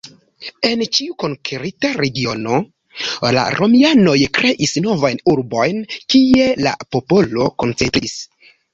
En ĉiu konkerita regiono la romianoj kreis novajn urbojn, kie la popolo koncentriĝis.